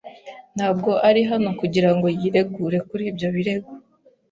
Ntabwo ari hano kugira ngo yiregure kuri ibyo birego.